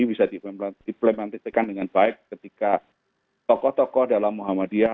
bisa diimplementasikan dengan baik ketika tokoh tokoh dalam muhammadiyah